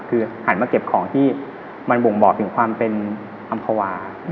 คือหันมาเก็บของที่มันบ่งบอกถึงความเป็นอำภาวา